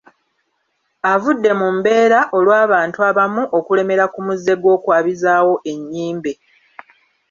Avudde mu mbeera olw’abantu abamu okulemera ku muze gw’okwabizaawo ennyimbe